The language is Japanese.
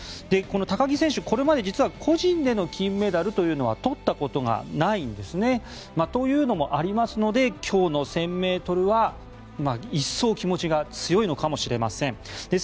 この高木選手は、これまで個人での金メダルというのは取ったことがないんですね。というのもありますので今日の１０００ｍは一層気持ちが強いのかもしれません。